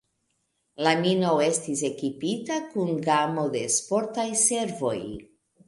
La mino estis ekipita kun gamo de sportaj servoj.